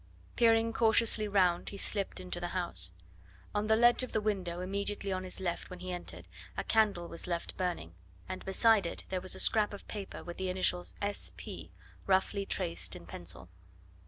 Peering cautiously round, he slipped into the house. On the ledge of the window, immediately on his left when he entered, a candle was left burning, and beside it there was a scrap of paper with the initials S. P. roughly traced in pencil.